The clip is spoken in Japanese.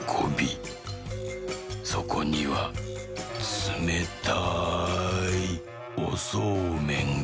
そこにはつめたいおそうめんが」。